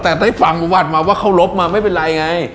แต่ได้ฟังประวัติมาว่าเคารพมาไม่เป็นไรไง